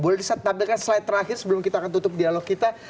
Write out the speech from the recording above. boleh ditampilkan slide terakhir sebelum kita akan tutup dialog kita